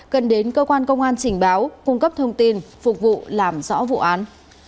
cần đến cơ quan công an trình báo cung cấp thông tin phục vụ làm rõ vụ án